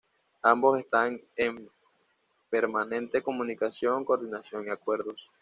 Ambos están en permanente comunicación, coordinación y acuerdos.